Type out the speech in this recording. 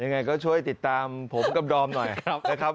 ยังไงก็ช่วยติดตามผมกับดอมหน่อยนะครับ